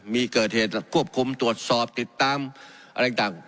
มีเกิดเหตุควบคุมตรวจสอบติดตามอะไรต่าง